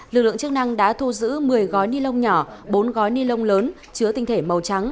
lực lượng chức năng đã thu giữ một mươi gói ni lông nhỏ bốn gói ni lông lớn chứa tinh thể màu trắng